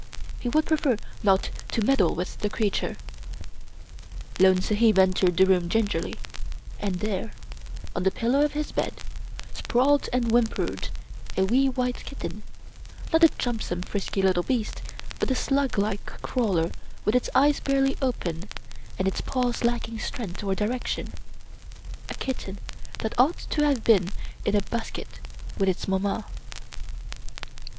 He would prefer not to meddle with the creature. 21 English Mystery Stories Lone Sahib entered the room gingerly, and there, on the pillow of his bed, sprawled and whimpered a wee white kitten, not a jumpsome, frisky little beast, but a sluglike crawler with its eyes barely opened and its paws lacking strength or direction — o, kitten that ought to have been in a basket with its mamma.